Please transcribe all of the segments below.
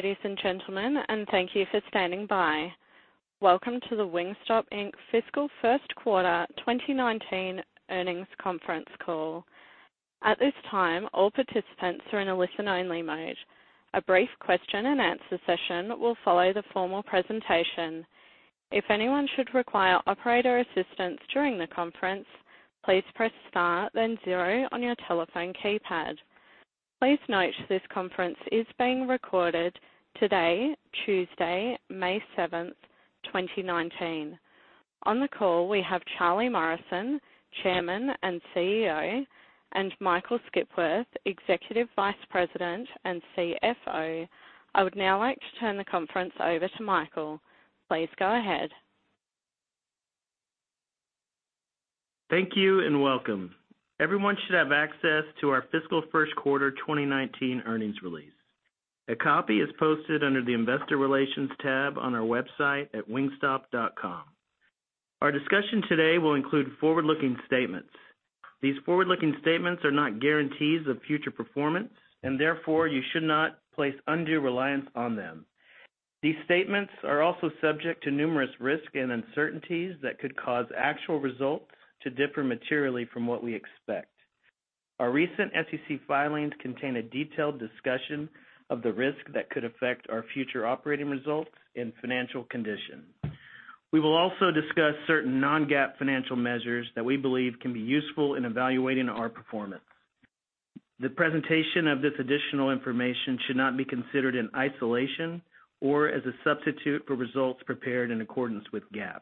Ladies and gentlemen, thank you for standing by. Welcome to the Wingstop Inc. fiscal first quarter 2019 earnings conference call. At this time, all participants are in a listen-only mode. A brief question and answer session will follow the formal presentation. If anyone should require operator assistance during the conference, please press star then zero on your telephone keypad. Please note this conference is being recorded today, Tuesday, May 7th, 2019. On the call, we have Charlie Morrison, Chairman and CEO, and Michael Skipworth, Executive Vice President and CFO. I would now like to turn the conference over to Michael. Please go ahead. Thank you. Welcome. Everyone should have access to our fiscal first quarter 2019 earnings release. A copy is posted under the investor relations tab on our website at wingstop.com. Our discussion today will include forward-looking statements. These forward-looking statements are not guarantees of future performance, therefore, you should not place undue reliance on them. These statements are also subject to numerous risks and uncertainties that could cause actual results to differ materially from what we expect. Our recent SEC filings contain a detailed discussion of the risks that could affect our future operating results and financial condition. We will also discuss certain non-GAAP financial measures that we believe can be useful in evaluating our performance. The presentation of this additional information should not be considered in isolation or as a substitute for results prepared in accordance with GAAP.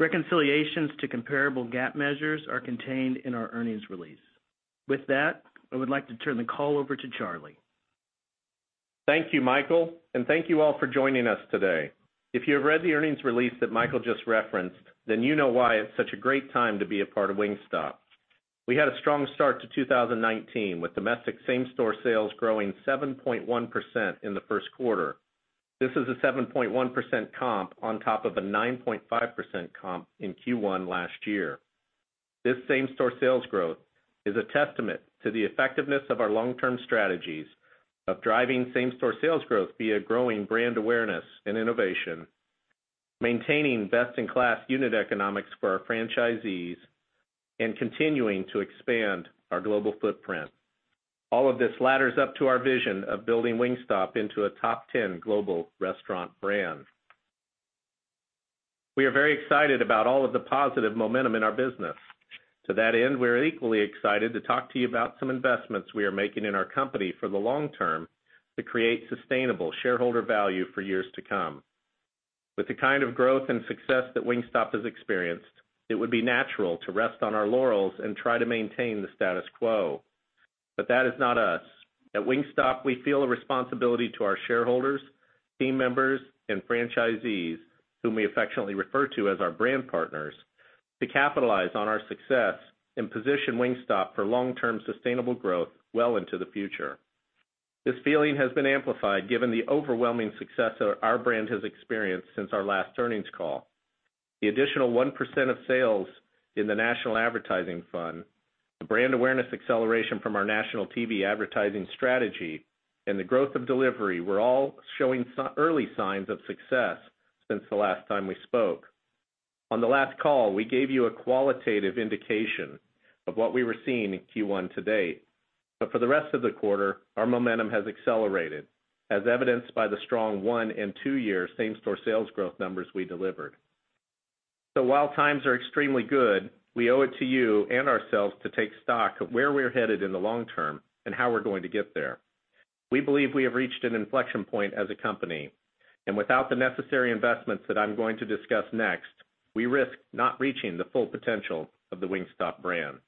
Reconciliations to comparable GAAP measures are contained in our earnings release. With that, I would like to turn the call over to Charlie. Thank you, Michael. Thank you all for joining us today. If you have read the earnings release that Michael just referenced, you know why it's such a great time to be a part of Wingstop. We had a strong start to 2019 with domestic same-store sales growing 7.1% in the first quarter. This is a 7.1% comp on top of a 9.5% comp in Q1 last year. This same-store sales growth is a testament to the effectiveness of our long-term strategies of driving same-store sales growth via growing brand awareness and innovation, maintaining best-in-class unit economics for our franchisees, continuing to expand our global footprint. All of this ladders up to our vision of building Wingstop into a top 10 global restaurant brand. We are very excited about all of the positive momentum in our business. To that end, we're equally excited to talk to you about some investments we are making in our company for the long term to create sustainable shareholder value for years to come. With the kind of growth and success that Wingstop has experienced, it would be natural to rest on our laurels and try to maintain the status quo. That is not us. At Wingstop, we feel a responsibility to our shareholders, team members and franchisees, whom we affectionately refer to as our brand partners, to capitalize on our success and position Wingstop for long-term sustainable growth well into the future. This feeling has been amplified given the overwhelming success our brand has experienced since our last earnings call. The additional 1% of sales in the national advertising fund, the brand awareness acceleration from our national TV advertising strategy, and the growth of delivery were all showing early signs of success since the last time we spoke. On the last call, we gave you a qualitative indication of what we were seeing in Q1 to date. For the rest of the quarter, our momentum has accelerated, as evidenced by the strong one and two year same-store sales growth numbers we delivered. While times are extremely good, we owe it to you and ourselves to take stock of where we're headed in the long term and how we're going to get there. We believe we have reached an inflection point as a company, and without the necessary investments that I'm going to discuss next, we risk not reaching the full potential of the Wingstop brand.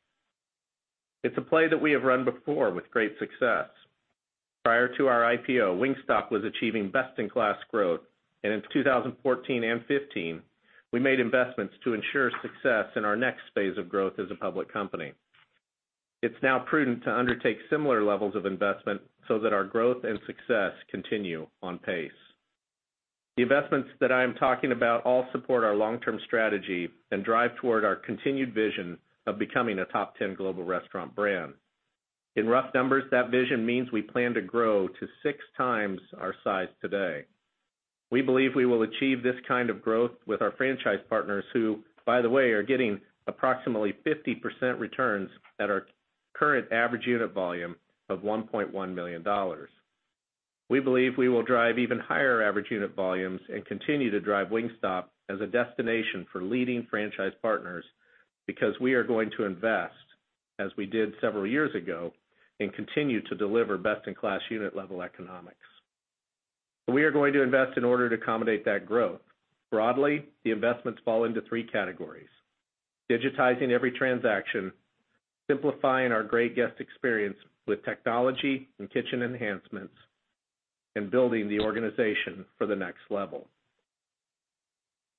It's a play that we have run before with great success. Prior to our IPO, Wingstop was achieving best-in-class growth. In 2014 and 2015, we made investments to ensure success in our next phase of growth as a public company. It's now prudent to undertake similar levels of investment so that our growth and success continue on pace. The investments that I am talking about all support our long-term strategy and drive toward our continued vision of becoming a top 10 global restaurant brand. In rough numbers, that vision means we plan to grow to 6 times our size today. We believe we will achieve this kind of growth with our franchise partners, who, by the way, are getting approximately 50% returns at our current average unit volume of $1.1 million. We believe we will drive even higher average unit volumes and continue to drive Wingstop as a destination for leading franchise partners because we are going to invest, as we did several years ago, and continue to deliver best-in-class unit level economics. We are going to invest in order to accommodate that growth. Broadly, the investments fall into 3 categories: digitizing every transaction, simplifying our great guest experience with technology and kitchen enhancements, and building the organization for the next level.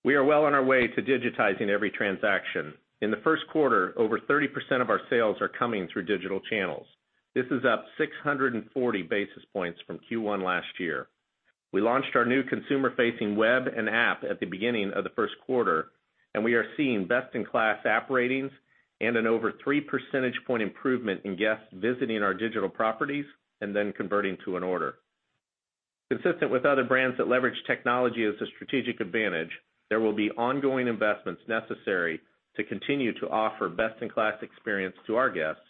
We are well on our way to digitizing every transaction. In the first quarter, over 30% of our sales are coming through digital channels. This is up 640 basis points from Q1 last year. We launched our new consumer-facing web and app at the beginning of the first quarter. We are seeing best-in-class app ratings and an over three percentage point improvement in guests visiting our digital properties and then converting to an order. Consistent with other brands that leverage technology as a strategic advantage, there will be ongoing investments necessary to continue to offer best-in-class experience to our guests,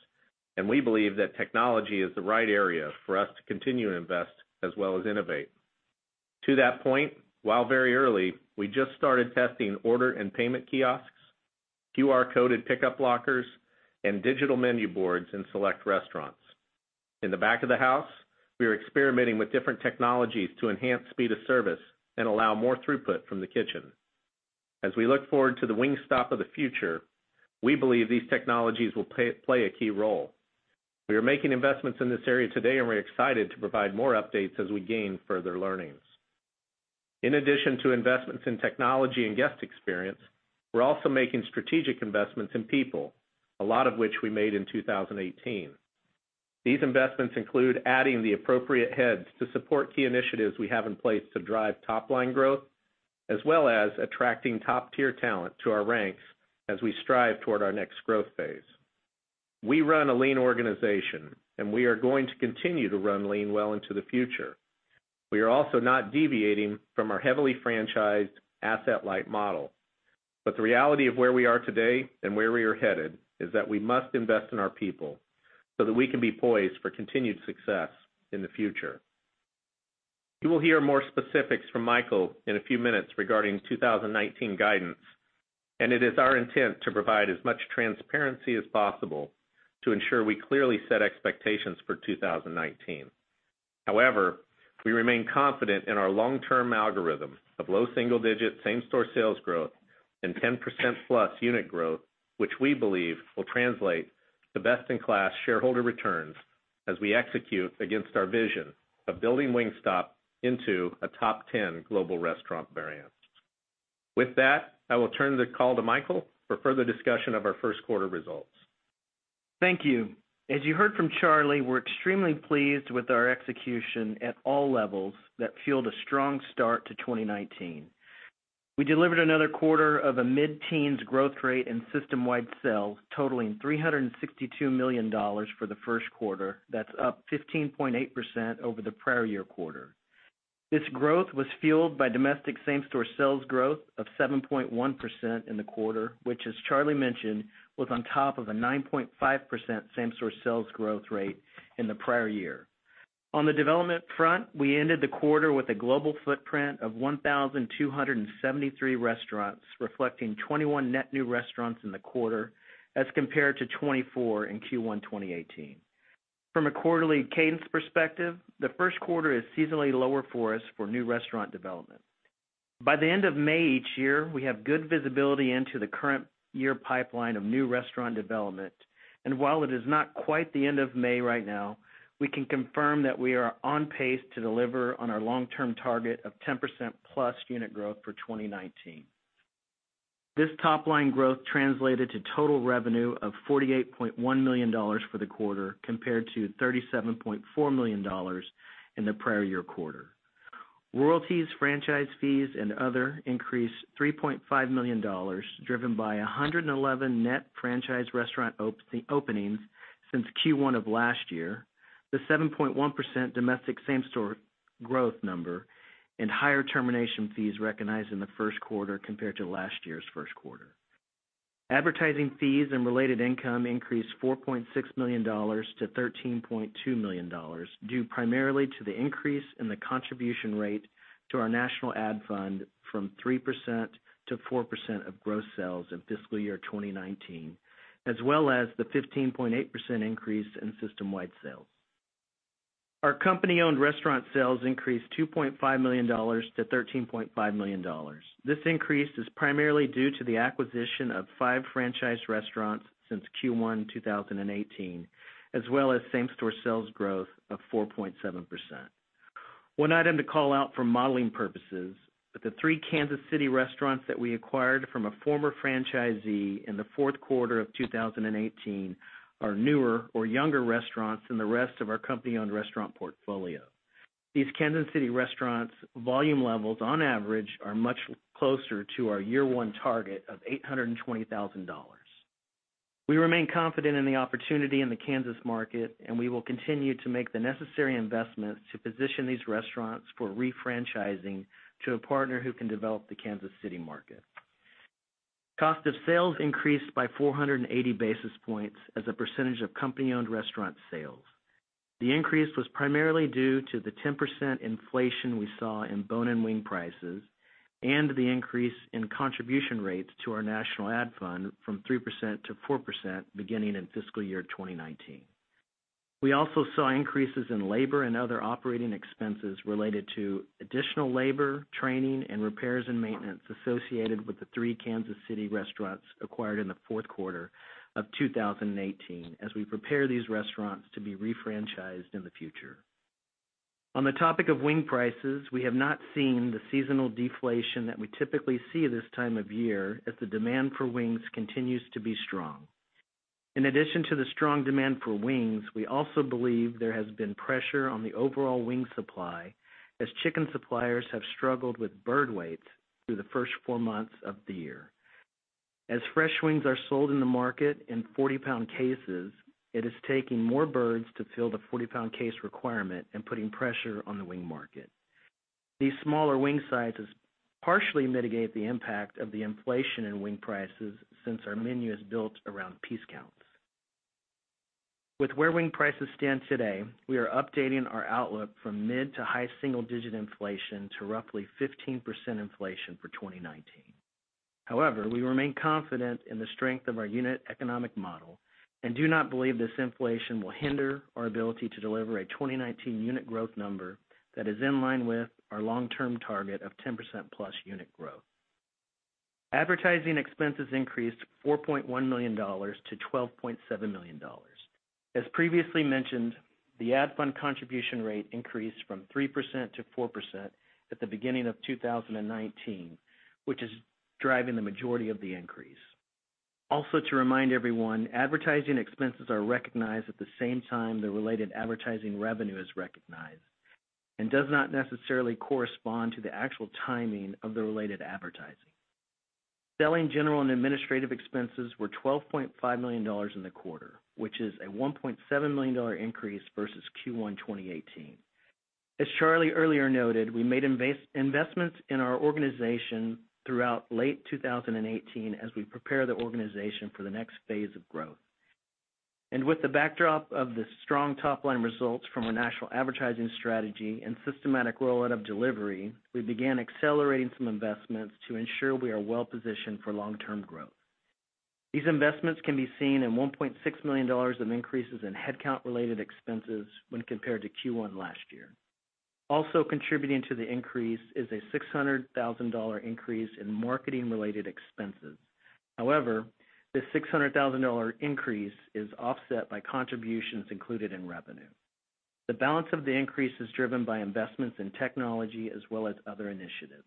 and we believe that technology is the right area for us to continue to invest as well as innovate. To that point, while very early, we just started testing order and payment kiosks, QR-coded pickup lockers, and digital menu boards in select restaurants. In the back of the house, we are experimenting with different technologies to enhance speed of service and allow more throughput from the kitchen. As we look forward to the Wingstop of the future, we believe these technologies will play a key role. We are making investments in this area today, and we're excited to provide more updates as we gain further learnings. In addition to investments in technology and guest experience, we're also making strategic investments in people, a lot of which we made in 2018. These investments include adding the appropriate heads to support key initiatives we have in place to drive top-line growth, as well as attracting top-tier talent to our ranks as we strive toward our next growth phase. We run a lean organization, and we are going to continue to run lean well into the future. We are also not deviating from our heavily franchised asset-light model. The reality of where we are today and where we are headed is that we must invest in our people so that we can be poised for continued success in the future. You will hear more specifics from Michael in a few minutes regarding 2019 guidance, and it is our intent to provide as much transparency as possible to ensure we clearly set expectations for 2019. However, we remain confident in our long-term algorithm of low single-digit same-store sales growth and 10%-plus unit growth, which we believe will translate to best-in-class shareholder returns as we execute against our vision of building Wingstop into a top 10 global restaurant brand. With that, I will turn the call to Michael for further discussion of our first quarter results. Thank you. As you heard from Charlie, we're extremely pleased with our execution at all levels that fueled a strong start to 2019. We delivered another quarter of a mid-teens growth rate in system-wide sales totaling $362 million for the first quarter. That's up 15.8% over the prior year quarter. This growth was fueled by domestic same-store sales growth of 7.1% in the quarter, which, as Charlie mentioned, was on top of a 9.5% same-store sales growth rate in the prior year. On the development front, we ended the quarter with a global footprint of 1,273 restaurants, reflecting 21 net new restaurants in the quarter as compared to 24 in Q1 2018. From a quarterly cadence perspective, the first quarter is seasonally lower for us for new restaurant development. By the end of May each year, we have good visibility into the current year pipeline of new restaurant development, and while it is not quite the end of May right now, we can confirm that we are on pace to deliver on our long-term target of 10%-plus unit growth for 2019. This top-line growth translated to total revenue of $48.1 million for the quarter, compared to $37.4 million in the prior year quarter. Royalties, franchise fees, and other increased to $3.5 million, driven by 111 net franchise restaurant openings since Q1 of last year, the 7.1% domestic same-store growth number, and higher termination fees recognized in the first quarter compared to last year's first quarter. Advertising fees and related income increased $4.6 million to $13.2 million, due primarily to the increase in the contribution rate to our national ad fund from 3% to 4% of gross sales in fiscal year 2019, as well as the 15.8% increase in system-wide sales. Our company-owned restaurant sales increased $2.5 million to $13.5 million. This increase is primarily due to the acquisition of five franchise restaurants since Q1 2018, as well as same-store sales growth of 4.7%. One item to call out for modeling purposes, that the three Kansas City restaurants that we acquired from a former franchisee in the fourth quarter of 2018 are newer or younger restaurants than the rest of our company-owned restaurant portfolio. These Kansas City restaurants' volume levels, on average, are much closer to our year one target of $820,000. We remain confident in the opportunity in the Kansas market. We will continue to make the necessary investments to position these restaurants for refranchising to a partner who can develop the Kansas City market. Cost of sales increased by 480 basis points as a percentage of company-owned restaurant sales. The increase was primarily due to the 10% inflation we saw in bone and wing prices and the increase in contribution rates to our national ad fund from 3% to 4% beginning in fiscal year 2019. We also saw increases in labor and other operating expenses related to additional labor, training, and repairs and maintenance associated with the three Kansas City restaurants acquired in the fourth quarter of 2018 as we prepare these restaurants to be refranchised in the future. On the topic of wing prices, we have not seen the seasonal deflation that we typically see this time of year as the demand for wings continues to be strong. In addition to the strong demand for wings, we also believe there has been pressure on the overall wing supply as chicken suppliers have struggled with bird weight through the first four months of the year. As fresh wings are sold in the market in 40-pound cases, it is taking more birds to fill the 40-pound case requirement and putting pressure on the wing market. These smaller wing sizes partially mitigate the impact of the inflation in wing prices since our menu is built around piece counts. With where wing prices stand today, we are updating our outlook from mid to high single-digit inflation to roughly 15% inflation for 2019. However, we remain confident in the strength of our unit economic model and do not believe this inflation will hinder our ability to deliver a 2019 unit growth number that is in line with our long-term target of 10%+ unit growth. Advertising expenses increased $4.1 million to $12.7 million. As previously mentioned, the ad fund contribution rate increased from 3% to 4% at the beginning of 2019, which is driving the majority of the increase. Also, to remind everyone, advertising expenses are recognized at the same time the related advertising revenue is recognized and does not necessarily correspond to the actual timing of the related advertising. Selling general and administrative expenses were $12.5 million in the quarter, which is a $1.7 million increase versus Q1 2018. As Charlie earlier noted, we made investments in our organization throughout late 2018 as we prepare the organization for the next phase of growth. With the backdrop of the strong top-line results from our national advertising strategy and systematic rollout of delivery, we began accelerating some investments to ensure we are well positioned for long-term growth. These investments can be seen in $1.6 million of increases in headcount-related expenses when compared to Q1 last year. Also contributing to the increase is a $600,000 increase in marketing-related expenses. However, this $600,000 increase is offset by contributions included in revenue. The balance of the increase is driven by investments in technology as well as other initiatives.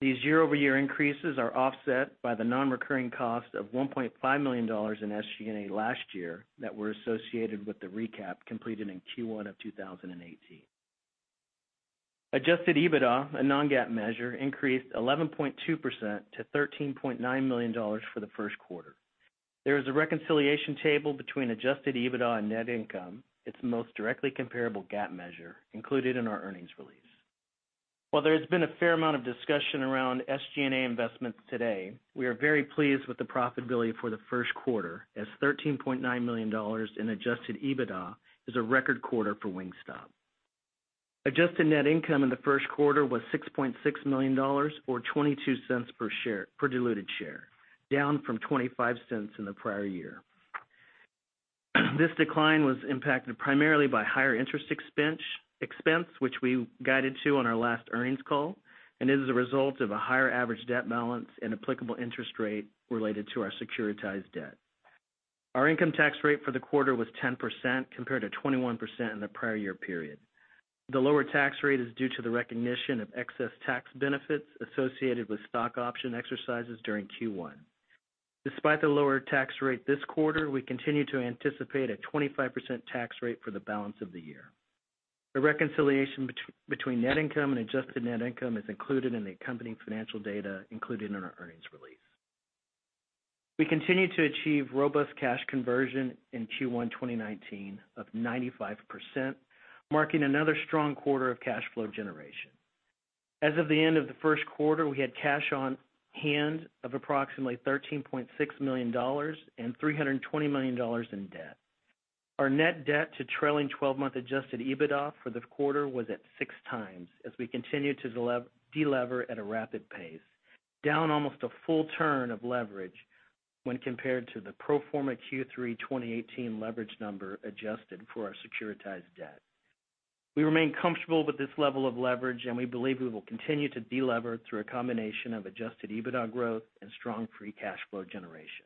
These year-over-year increases are offset by the non-recurring cost of $1.5 million in SG&A last year that were associated with the recap completed in Q1 of 2018. Adjusted EBITDA, a non-GAAP measure, increased 11.2% to $13.9 million for the first quarter. There is a reconciliation table between adjusted EBITDA and net income, its most directly comparable GAAP measure, included in our earnings release. While there has been a fair amount of discussion around SG&A investments today, we are very pleased with the profitability for the first quarter, as $13.9 million in adjusted EBITDA is a record quarter for Wingstop. Adjusted net income in the first quarter was $6.6 million or $0.22 per diluted share, down from $0.25 in the prior year. This decline was impacted primarily by higher interest expense, which we guided to on our last earnings call, and is a result of a higher average debt balance and applicable interest rate related to our securitized debt. Our income tax rate for the quarter was 10%, compared to 21% in the prior year period. The lower tax rate is due to the recognition of excess tax benefits associated with stock option exercises during Q1. Despite the lower tax rate this quarter, we continue to anticipate a 25% tax rate for the balance of the year. The reconciliation between net income and adjusted net income is included in the accompanying financial data included in our earnings release. We continued to achieve robust cash conversion in Q1 2019 of 95%, marking another strong quarter of cash flow generation. As of the end of the first quarter, we had cash on hand of approximately $13.6 million and $320 million in debt. Our net debt to trailing 12-month adjusted EBITDA for the quarter was at six times, as we continue to delever at a rapid pace, down almost a full turn of leverage when compared to the pro forma Q3 2018 leverage number adjusted for our securitized debt. We remain comfortable with this level of leverage. We believe we will continue to delever through a combination of adjusted EBITDA growth and strong free cash flow generation.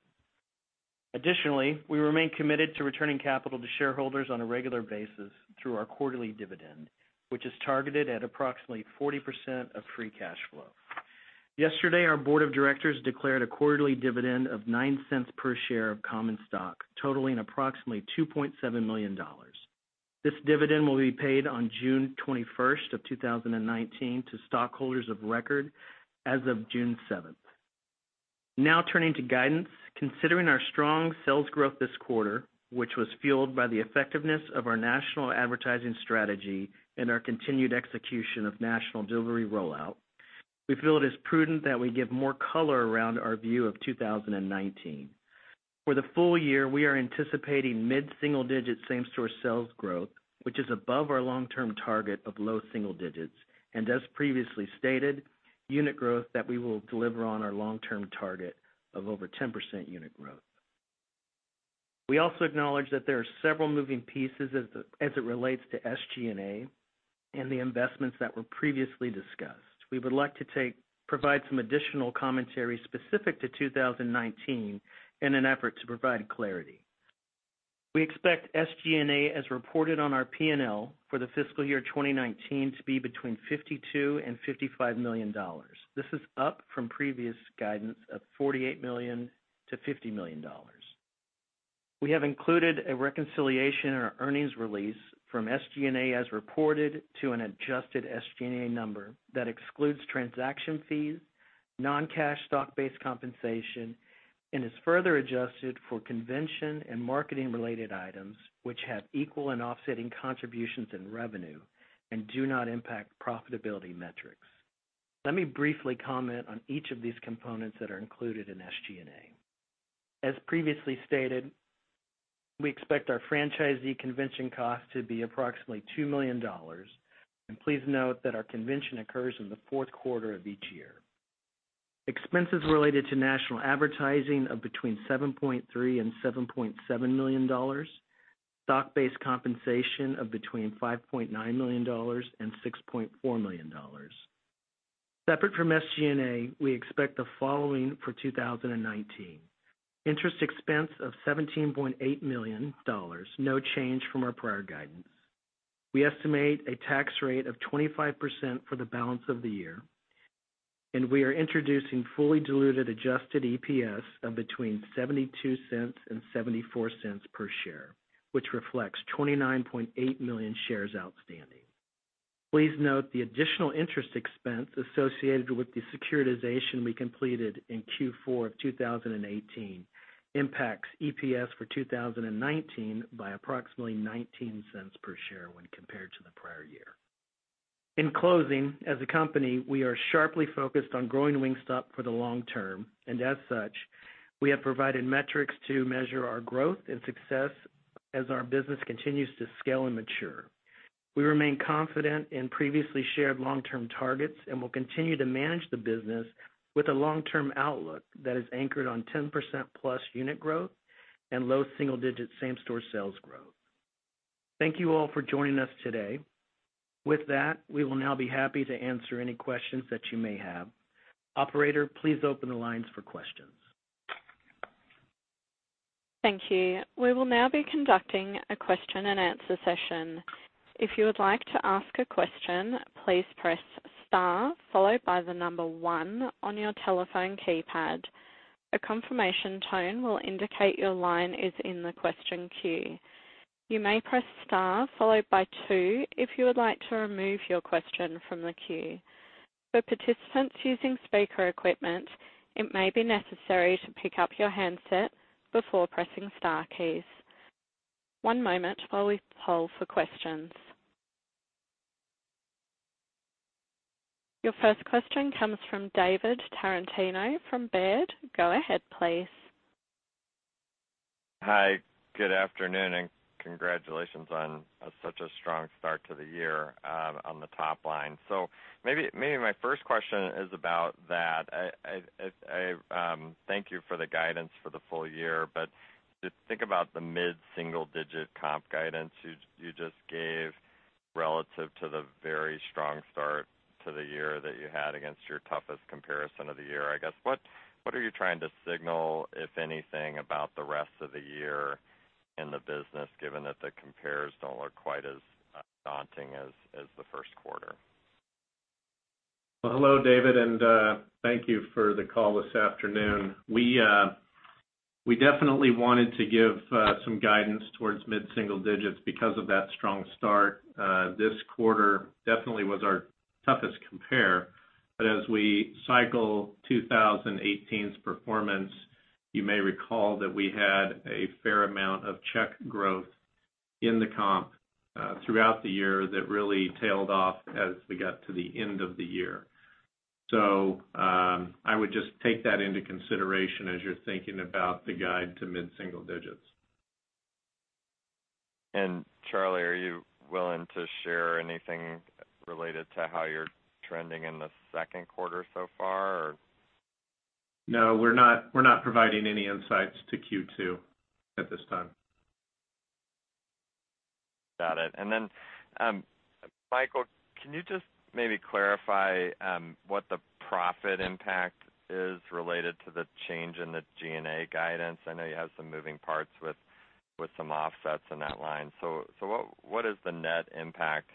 Additionally, we remain committed to returning capital to shareholders on a regular basis through our quarterly dividend, which is targeted at approximately 40% of free cash flow. Yesterday, our board of directors declared a quarterly dividend of $0.09 per share of common stock, totaling approximately $2.7 million. This dividend will be paid on June 21st of 2019 to stockholders of record as of June 7th. Turning to guidance. Considering our strong sales growth this quarter, which was fueled by the effectiveness of our national advertising strategy and our continued execution of national delivery rollout, we feel it is prudent that we give more color around our view of 2019. For the full year, we are anticipating mid-single-digit same-store sales growth, which is above our long-term target of low single digits. As previously stated, unit growth that we will deliver on our long-term target of over 10% unit growth. We also acknowledge that there are several moving pieces as it relates to SG&A and the investments that were previously discussed. We would like to provide some additional commentary specific to 2019 in an effort to provide clarity. We expect SG&A as reported on our P&L for the fiscal year 2019 to be between $52 million and $55 million. This is up from previous guidance of $48 million to $50 million. We have included a reconciliation in our earnings release from SG&A as reported to an adjusted SG&A number that excludes transaction fees, non-cash stock-based compensation, and is further adjusted for convention and marketing related items which have equal and offsetting contributions in revenue and do not impact profitability metrics. Let me briefly comment on each of these components that are included in SG&A. As previously stated, we expect our franchisee convention cost to be approximately $2 million. Please note that our convention occurs in the fourth quarter of each year. Expenses related to national advertising of between $7.3 million and $7.7 million, stock-based compensation of between $5.9 million and $6.4 million. Separate from SG&A, we expect the following for 2019. Interest expense of $17.8 million, no change from our prior guidance. We estimate a tax rate of 25% for the balance of the year. We are introducing fully diluted adjusted EPS of between $0.72 and $0.74 per share, which reflects 29.8 million shares outstanding. Please note the additional interest expense associated with the securitization we completed in Q4 of 2018 impacts EPS for 2019 by approximately $0.19 per share when compared to the prior year. In closing, as a company, we are sharply focused on growing Wingstop for the long term. As such, we have provided metrics to measure our growth and success as our business continues to scale and mature. We remain confident in previously shared long-term targets and will continue to manage the business with a long-term outlook that is anchored on 10% plus unit growth and low single-digit same-store sales growth. Thank you all for joining us today. With that, we will now be happy to answer any questions that you may have. Operator, please open the lines for questions. Thank you. We will now be conducting a question and answer session. If you would like to ask a question, please press star followed by the number one on your telephone keypad. A confirmation tone will indicate your line in the question queue. You may press star followed by two if you would like to remove your question from the queue. For participants using speaker equipment, it may be necessary to pick up your handset before pressing star keys. One moment while we poll for questions. Your first question comes from David Tarantino from Baird. Go ahead, please. Hi, good afternoon. Congratulations on such a strong start to the year on the top line. Maybe my first question is about that. Thank you for the guidance for the full year, to think about the mid-single digit comp guidance you just gave relative to the very strong start to the year that you had against your toughest comparison of the year. I guess, what are you trying to signal, if anything, about the rest of the year in the business, given that the compares don't look quite as daunting as the first quarter? Well, hello, David, thank you for the call this afternoon. We definitely wanted to give some guidance towards mid-single digits because of that strong start. This quarter definitely was our toughest compare. As we cycle 2018's performance, you may recall that we had a fair amount of check growth in the comp throughout the year that really tailed off as we got to the end of the year. I would just take that into consideration as you're thinking about the guide to mid-single digits. Charlie, are you willing to share anything related to how you're trending in the second quarter so far or? No, we're not providing any insights to Q2 at this time. Got it. Michael, can you just maybe clarify what the profit impact is related to the change in the G&A guidance? I know you have some moving parts with some offsets in that line. What is the net impact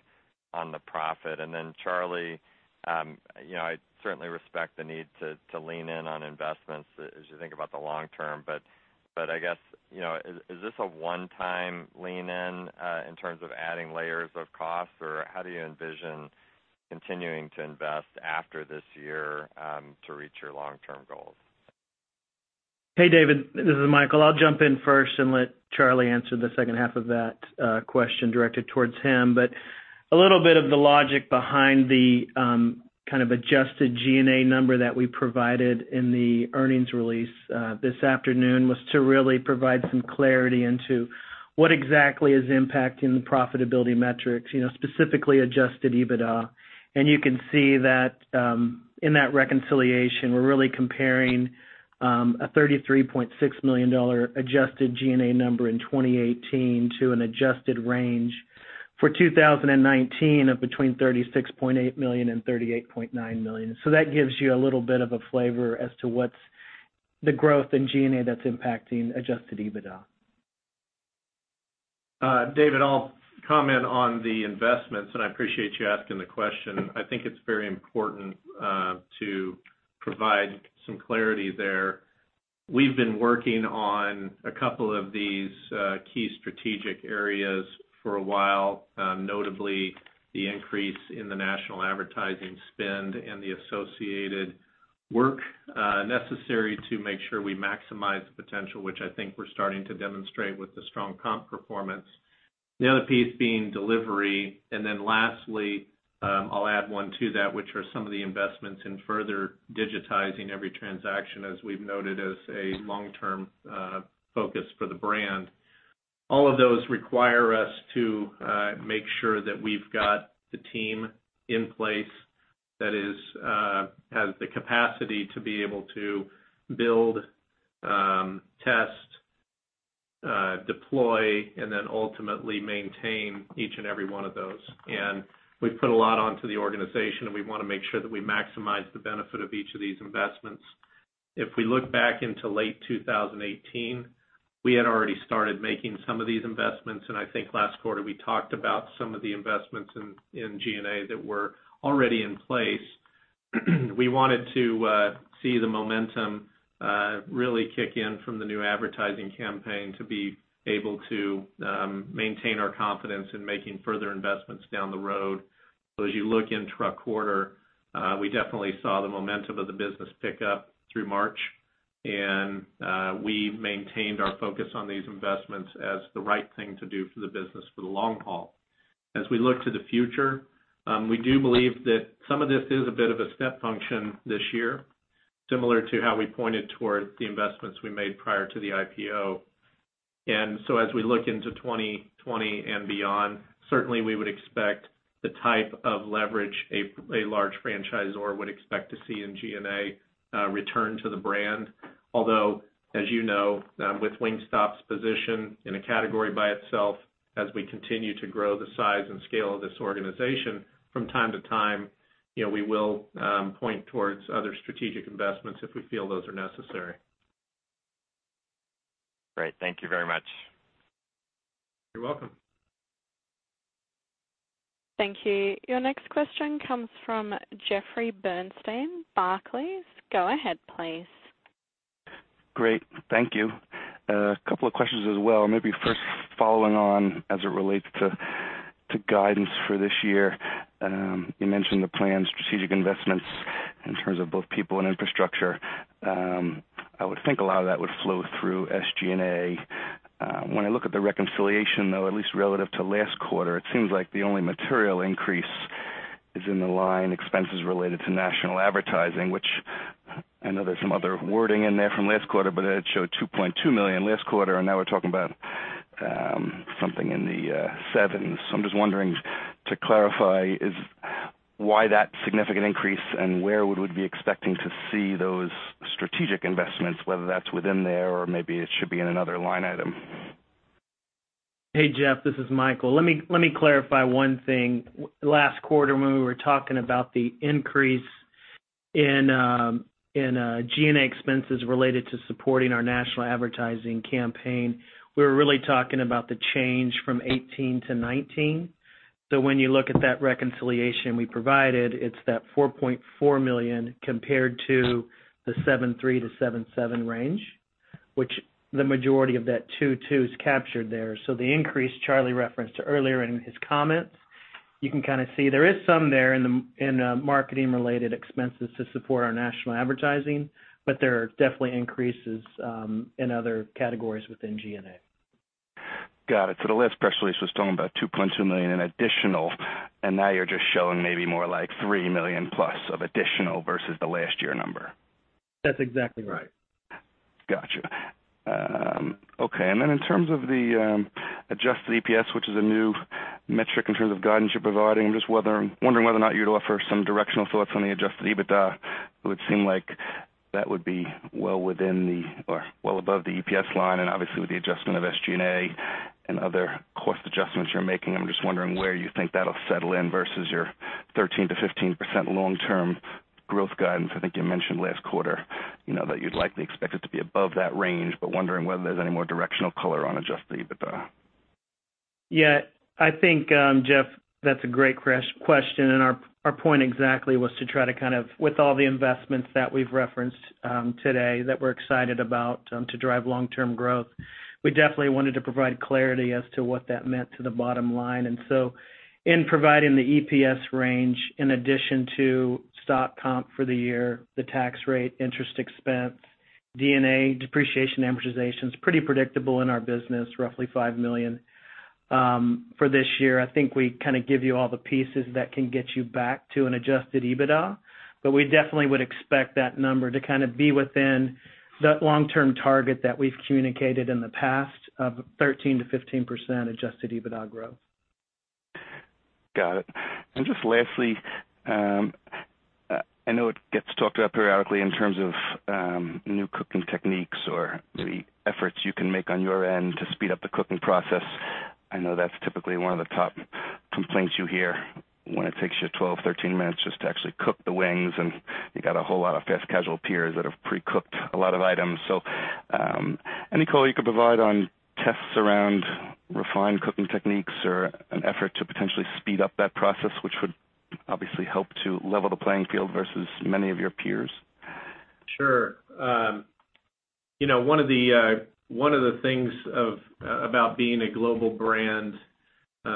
on the profit? Charlie, I certainly respect the need to lean in on investments as you think about the long term, I guess, is this a one-time lean in terms of adding layers of cost, or how do you envision continuing to invest after this year to reach your long-term goals? Hey, David. This is Michael. I'll jump in first and let Charlie answer the second half of that question directed towards him. A little bit of the logic behind the kind of adjusted G&A number that we provided in the earnings release this afternoon was to really provide some clarity into what exactly is impacting the profitability metrics, specifically adjusted EBITDA. You can see that in that reconciliation, we're really comparing a $33.6 million adjusted G&A number in 2018 to an adjusted range for 2019 of between $36.8 million and $38.9 million. That gives you a little bit of a flavor as to what's the growth in G&A that's impacting adjusted EBITDA. David, I'll comment on the investments. I appreciate you asking the question. I think it's very important to provide some clarity there. We've been working on a couple of these key strategic areas for a while. Notably, the increase in the national advertising spend and the associated work necessary to make sure we maximize the potential, which I think we're starting to demonstrate with the strong comp performance. The other piece being delivery. Lastly, I'll add one to that, which are some of the investments in further digitizing every transaction, as we've noted, as a long-term focus for the brand. All of those require us to make sure that we've got the team in place that has the capacity to be able to build, test, deploy, and ultimately maintain each and every one of those. We've put a lot onto the organization, and we want to make sure that we maximize the benefit of each of these investments. If we look back into late 2018, we had already started making some of these investments, and I think last quarter we talked about some of the investments in G&A that were already in place. We wanted to see the momentum really kick in from the new advertising campaign to be able to maintain our confidence in making further investments down the road. As you look into our quarter, we definitely saw the momentum of the business pick up through March, and we've maintained our focus on these investments as the right thing to do for the business for the long haul. As we look to the future, we do believe that some of this is a bit of a step function this year, similar to how we pointed towards the investments we made prior to the IPO. As we look into 2020 and beyond, certainly we would expect the type of leverage a large franchisor would expect to see in G&A return to the brand. Although, as you know, with Wingstop's position in a category by itself, as we continue to grow the size and scale of this organization from time to time, we will point towards other strategic investments if we feel those are necessary. Great. Thank you very much. You're welcome. Thank you. Your next question comes from Jeffrey Bernstein, Barclays. Go ahead, please. Great. Thank you. A couple of questions as well. Maybe first following on as it relates to guidance for this year. You mentioned the planned strategic investments in terms of both people and infrastructure. I would think a lot of that would flow through SG&A. When I look at the reconciliation, though, at least relative to last quarter, it seems like the only material increase is in the line expenses related to national advertising, which I know there's some other wording in there from last quarter, but it showed $2.2 million last quarter, and now we're talking about something in the $7. I'm just wondering to clarify is why that significant increase and where would we be expecting to see those strategic investments, whether that's within there or maybe it should be in another line item. Hey, Jeff, this is Michael. Let me clarify one thing. Last quarter, when we were talking about the increase in G&A expenses related to supporting our national advertising campaign, we were really talking about the change from 2018 to 2019. When you look at that reconciliation we provided, it's that $4.4 million compared to the $7.3-$7.7 range, which the majority of that $2.2 is captured there. The increase Charlie referenced earlier in his comments, you can kind of see there is some there in the marketing related expenses to support our national advertising, but there are definitely increases in other categories within G&A. Got it. The last press release was talking about $2.2 million in additional, and now you're just showing maybe more like $3 million plus of additional versus the last year number. That's exactly right. Got you. Okay. Then in terms of the adjusted EPS, which is a new metric in terms of guidance you're providing, I'm just wondering whether or not you'd offer some directional thoughts on the adjusted EBITDA. It would seem like that would be well above the EPS line, and obviously with the adjustment of SG&A and other cost adjustments you're making, I'm just wondering where you think that'll settle in versus your 13%-15% long-term growth guidance. I think you mentioned last quarter that you'd likely expect it to be above that range, but wondering whether there's any more directional color on adjusted EBITDA. Yeah, I think, Jeff, that's a great question. Our point exactly was to try to kind of, with all the investments that we've referenced today that we're excited about to drive long-term growth. We definitely wanted to provide clarity as to what that meant to the bottom line. In providing the EPS range, in addition to stock comp for the year, the tax rate, interest expense, D&A, depreciation, amortization is pretty predictable in our business, roughly $5 million for this year. I think we kind of give you all the pieces that can get you back to an adjusted EBITDA. We definitely would expect that number to kind of be within that long-term target that we've communicated in the past of 13%-15% adjusted EBITDA growth. Got it. Just lastly I know it gets talked about periodically in terms of new cooking techniques or the efforts you can make on your end to speed up the cooking process. I know that's typically one of the top complaints you hear when it takes you 12, 13 minutes just to actually cook the wings, and you got a whole lot of fast casual peers that have pre-cooked a lot of items. Any color you could provide on tests around refined cooking techniques or an effort to potentially speed up that process, which would obviously help to level the playing field versus many of your peers? Sure. One of the things about being a global brand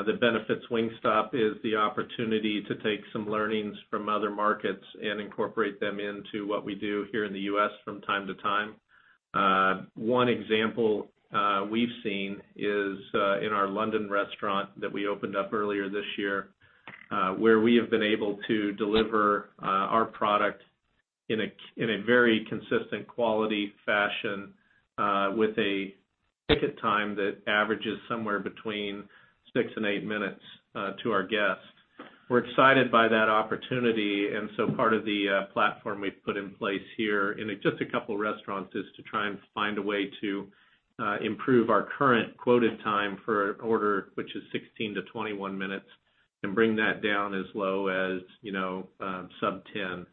that benefits Wingstop is the opportunity to take some learnings from other markets and incorporate them into what we do here in the U.S. from time to time. One example we've seen is in our London restaurant that we opened up earlier this year, where we have been able to deliver our product in a very consistent quality fashion, with a ticket time that averages somewhere between six and eight minutes to our guests. We're excited by that opportunity. Part of the platform we've put in place here in just a couple of restaurants is to try and find a way to improve our current quoted time for order, which is 16-21 minutes, and bring that down as low as sub 10.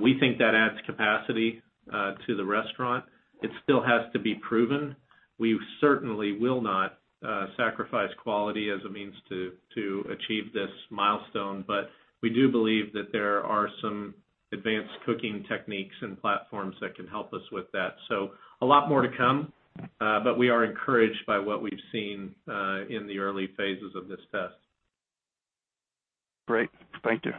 We think that adds capacity to the restaurant. It still has to be proven. We certainly will not sacrifice quality as a means to achieve this milestone. We do believe that there are some advanced cooking techniques and platforms that can help us with that. A lot more to come. We are encouraged by what we've seen in the early phases of this test. Great. Thank you.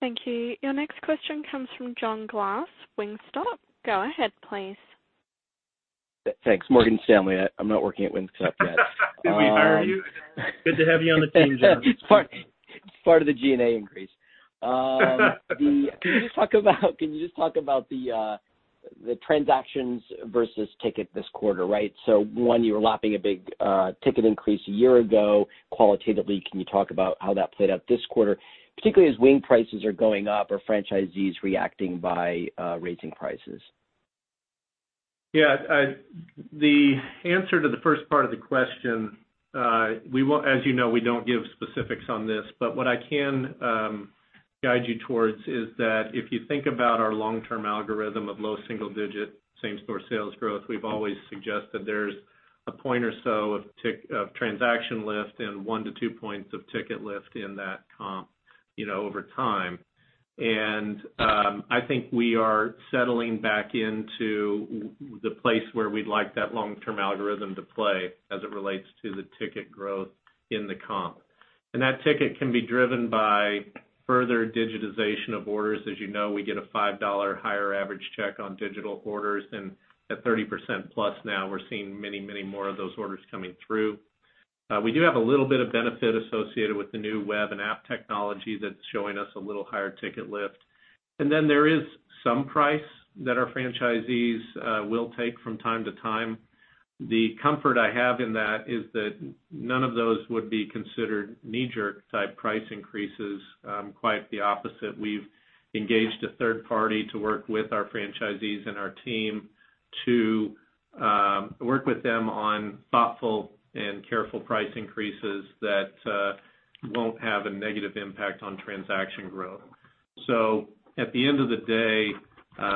Thank you. Your next question comes from John Glass, Wingstop. Go ahead, please. Thanks. Morgan Stanley. I'm not working at Wingstop yet. Did we hire you? Good to have you on the team, John. It's part of the G&A increase. Can you just talk about the transactions versus ticket this quarter, right? One, you were lapping a big ticket increase a year ago. Qualitatively, can you talk about how that played out this quarter, particularly as wing prices are going up. Are franchisees reacting by raising prices? Yeah. The answer to the first part of the question, as you know, we don't give specifics on this, but what I can guide you towards is that if you think about our long-term algorithm of low single-digit same-store sales growth, we've always suggested there's a point or so of transaction lift and one to two points of ticket lift in that comp over time. I think we are settling back into the place where we'd like that long-term algorithm to play as it relates to the ticket growth in the comp. That ticket can be driven by further digitization of orders. As you know, we get a $5 higher average check on digital orders, and at 30% plus now, we're seeing many more of those orders coming through. We do have a little bit of benefit associated with the new web and app technology that's showing us a little higher ticket lift. There is some price that our franchisees will take from time to time. The comfort I have in that is that none of those would be considered knee-jerk type price increases. Quite the opposite. We've engaged a third party to work with our franchisees and our team to work with them on thoughtful and careful price increases that won't have a negative impact on transaction growth. At the end of the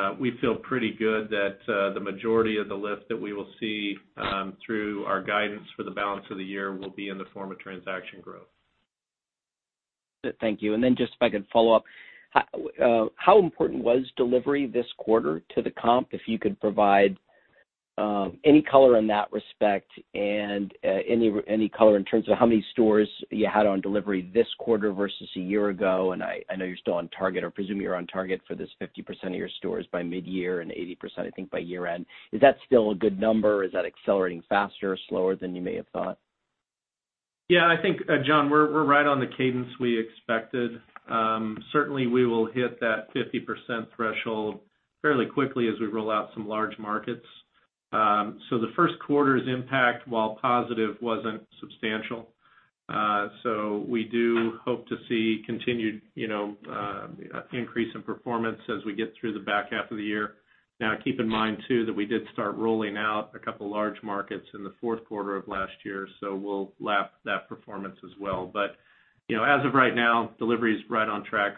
day, we feel pretty good that the majority of the lift that we will see through our guidance for the balance of the year will be in the form of transaction growth. Thank you. Just if I could follow up, how important was delivery this quarter to the comp? If you could provide any color in that respect and any color in terms of how many stores you had on delivery this quarter versus a year ago. I know you're still on target, or presume you're on target for this 50% of your stores by mid-year and 80%, I think, by year-end. Is that still a good number? Is that accelerating faster or slower than you may have thought? I think, John, we're right on the cadence we expected. Certainly, we will hit that 50% threshold fairly quickly as we roll out some large markets. The first quarter's impact, while positive, wasn't substantial. We do hope to see continued increase in performance as we get through the back half of the year. Keep in mind too, that we did start rolling out a couple of large markets in the fourth quarter of last year, so we'll lap that performance as well. As of right now, delivery is right on track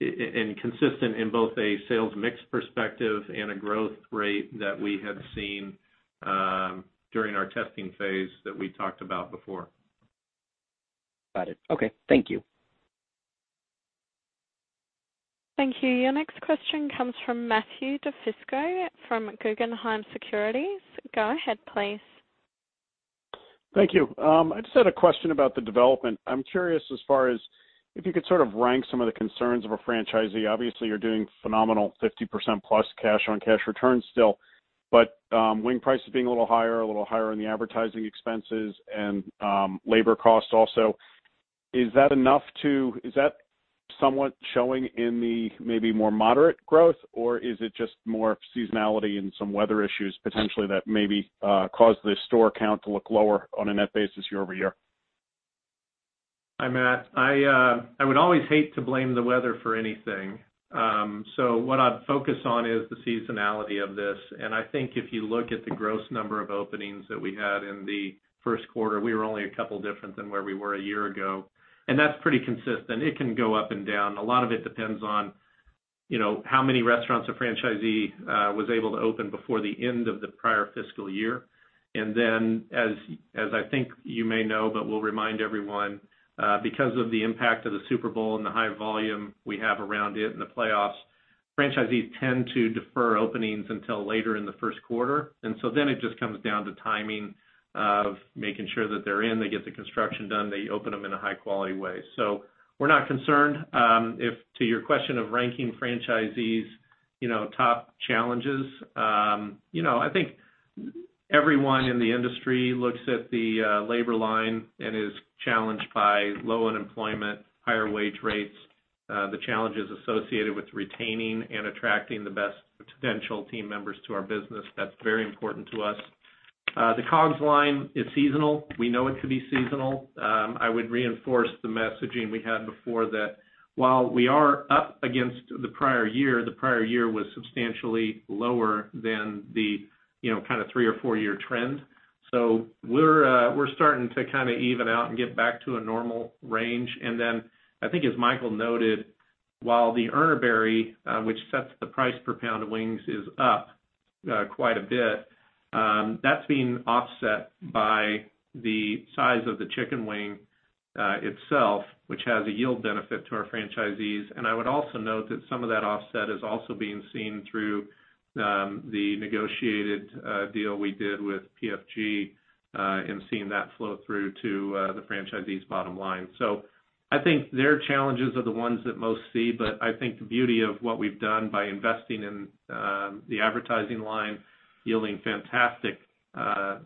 and consistent in both a sales mix perspective and a growth rate that we have seen during our testing phase that we talked about before. Got it. Okay. Thank you. Thank you. Your next question comes from Matthew DiFrisco from Guggenheim Securities. Go ahead, please. Thank you. I just had a question about the development. I'm curious as far as if you could sort of rank some of the concerns of a franchisee. Obviously, you're doing phenomenal 50% plus cash on cash returns still. Wing prices being a little higher, a little higher on the advertising expenses, and labor costs also. Is that somewhat showing in the maybe more moderate growth, or is it just more seasonality and some weather issues potentially that maybe caused the store count to look lower on a net basis year-over-year? Hi, Matt. I would always hate to blame the weather for anything. What I'd focus on is the seasonality of this. I think if you look at the gross number of openings that we had in the first quarter, we were only a couple different than where we were a year ago, and that's pretty consistent. It can go up and down. A lot of it depends on how many restaurants a franchisee was able to open before the end of the prior fiscal year. As I think you may know, but we'll remind everyone, because of the impact of the Super Bowl and the high volume we have around it and the playoffs, franchisees tend to defer openings until later in the first quarter. It just comes down to timing of making sure that they're in, they get the construction done, they open them in a high-quality way. We're not concerned. To your question of ranking franchisees' top challenges, I think everyone in the industry looks at the labor line and is challenged by low unemployment, higher wage rates, the challenges associated with retaining and attracting the best potential team members to our business. That's very important to us. The COGS line is seasonal. We know it to be seasonal. I would reinforce the messaging we had before that while we are up against the prior year, the prior year was substantially lower than the three or four-year trend. We're starting to even out and get back to a normal range. I think as Michael noted, while the Urner Barry, which sets the price per pound of wings, is up quite a bit, that's being offset by the size of the chicken wing itself, which has a yield benefit to our franchisees. I would also note that some of that offset is also being seen through the negotiated deal we did with PFG, and seeing that flow through to the franchisees' bottom line. I think their challenges are the ones that most see, but I think the beauty of what we've done by investing in the advertising line, yielding fantastic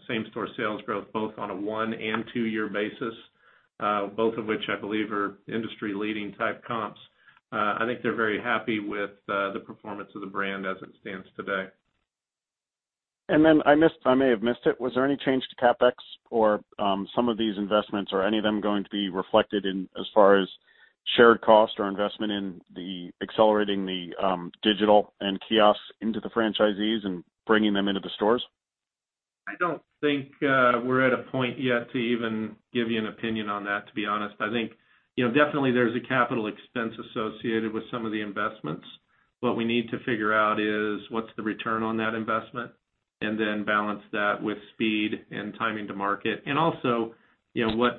same-store sales growth, both on a one and two-year basis, both of which I believe are industry-leading type comps. I think they're very happy with the performance of the brand as it stands today. I may have missed it. Was there any change to CapEx or some of these investments or any of them going to be reflected in as far as shared cost or investment in accelerating the digital and kiosks into the franchisees and bringing them into the stores? I don't think we're at a point yet to even give you an opinion on that, to be honest. I think definitely there's a capital expense associated with some of the investments. What we need to figure out is what's the return on that investment, then balance that with speed and timing to market. Also,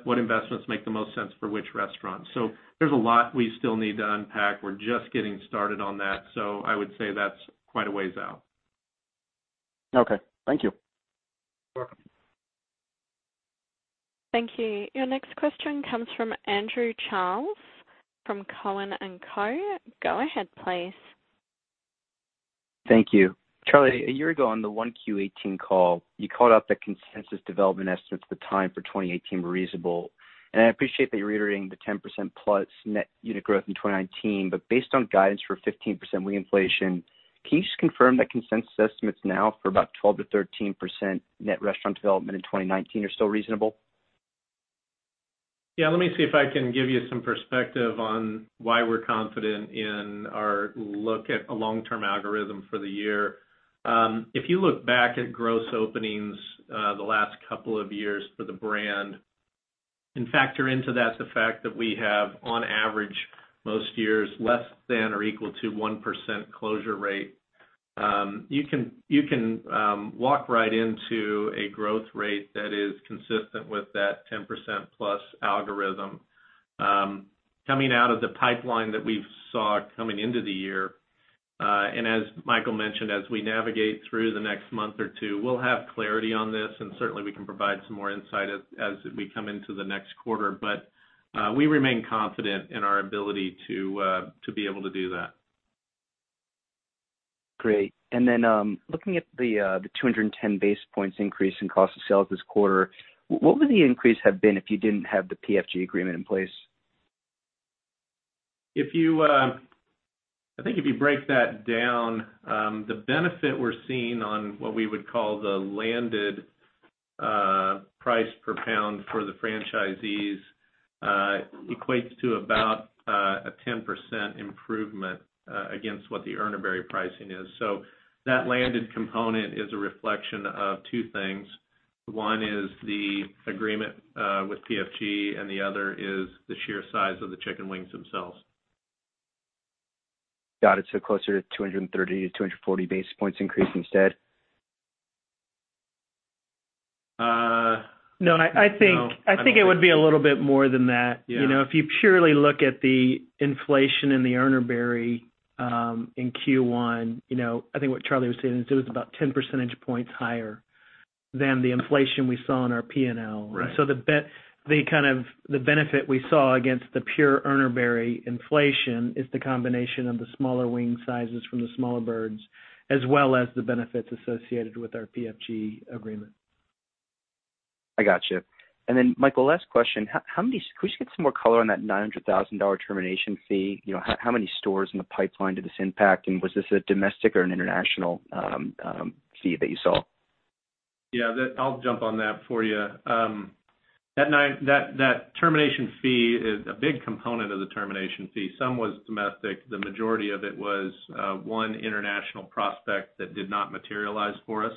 what investments make the most sense for which restaurant. There's a lot we still need to unpack. We're just getting started on that. I would say that's quite a ways out. Okay. Thank you. You're welcome. Thank you. Your next question comes from Andrew Charles from Cowen and Co. Go ahead, please. Thank you. Charlie, a year ago on the 1Q18 call, you called out the consensus development estimates at the time for 2018 were reasonable. I appreciate that you're reiterating the 10% plus net unit growth in 2019. Based on guidance for 15% wing inflation, can you just confirm that consensus estimates now for about 12%-13% net restaurant development in 2019 are still reasonable? Yeah. Let me see if I can give you some perspective on why we're confident in our look at a long-term algorithm for the year. If you look back at gross openings the last couple of years for the brand and factor into that the fact that we have, on average, most years less than or equal to 1% closure rate, you can walk right into a growth rate that is consistent with that 10% plus algorithm. Coming out of the pipeline that we've saw coming into the year, as Michael mentioned, as we navigate through the next month or two, we'll have clarity on this, and certainly we can provide some more insight as we come into the next quarter. We remain confident in our ability to be able to do that. Great. Looking at the 210 basis points increase in cost of sales this quarter, what would the increase have been if you didn't have the PFG agreement in place? I think if you break that down, the benefit we're seeing on what we would call the landed price per pound for the franchisees equates to about a 10% improvement against what the Urner Barry pricing is. That landed component is a reflection of two things. One is the agreement with PFG, the other is the sheer size of the chicken wings themselves. Got it. closer to 230-240 basis points increase instead? No. No, I think it would be a little bit more than that. Yeah. If you purely look at the inflation in the Urner Barry in Q1, I think what Charlie was saying is it was about 10 percentage points higher than the inflation we saw in our P&L. Right. The benefit we saw against the pure Urner Barry inflation is the combination of the smaller wing sizes from the smaller birds, as well as the benefits associated with our PFG agreement. I got you. Michael, last question. Could we get some more color on that $900,000 termination fee? How many stores in the pipeline did this impact, and was this a domestic or an international fee that you saw? Yeah. I'll jump on that for you. A big component of the termination fee, some was domestic, the majority of it was one international prospect that did not materialize for us.